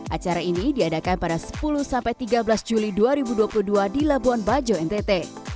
acara ini diadakan pada sepuluh tiga belas juli dua ribu dua puluh dua di labuan bajo ntt